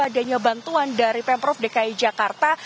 adanya bantuan dari pemprov dki jakarta